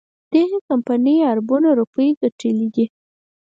دغه کمپنۍ اربونه روپۍ ګټلي دي.